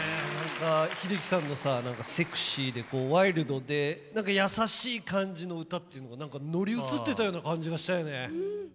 秀樹さんのさセクシーでこうワイルドで何か優しい感じの歌っていうのが乗り移ってたような感じがしたよね。